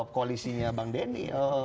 koalisinya bang denny